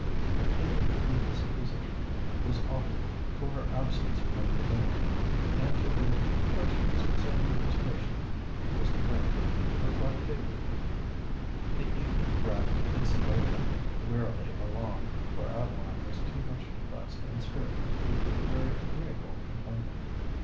A plea of indisposition was offered for her absence from the dinner table; and to her questions concerning his patient, Mr. Graham replied favourably. The evening dragged its slow length wearily along; for Adeline was too much depressed in spirits to prove a very agreeable companion.